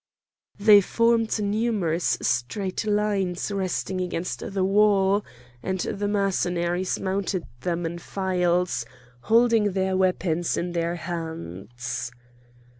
They formed numerous straight lines resting against the wall, and the Mercenaries mounted them in files, holding their weapons in their hands.